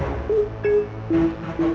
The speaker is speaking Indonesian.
orang dulu apa